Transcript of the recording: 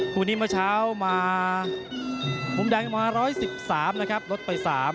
คู่นี้เมื่อเช้ามามุมแดงมา๑๑๓แล้วครับลดไป๓